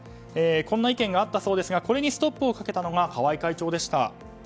こんな意見があったそうですがこれにストップをかけたのが川合会長でした。